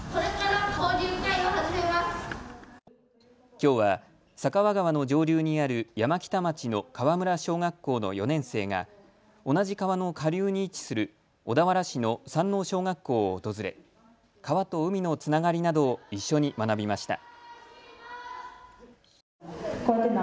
きょうは酒匂川の上流にある山北町の川村小学校の４年生が同じ川の下流に位置する小田原市の山王小学校を訪れ川と海のつながりなどを一緒に学びました。